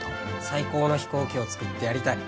最高の飛行機を作ってやりたい。